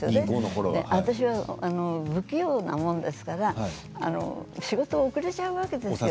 私は不器用なものですから仕事が遅れちゃうわけですよ。